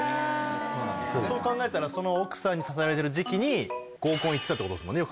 そう考えたらその奥さんに支えられてる時期に合コン行ってたってことですね。